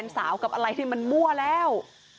สาวกับอะไรที่มันมั่วแล้ว